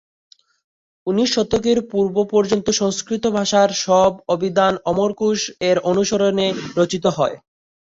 উনিশ শতকের পূর্ব পর্যন্ত সংস্কৃত ভাষার সব অভিধান অমরকোষ-এর অনুসরণে রচিত হয়।